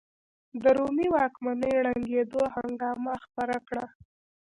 د رومي واکمنۍ ړنګېدو هنګامه خپره کړه.